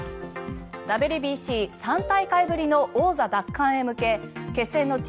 ＷＢＣ３大会ぶりの王座奪還へ向け決戦の地